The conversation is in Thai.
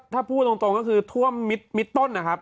ถ้าพูดตรงก็คือท่วมมิดต้นนะครับ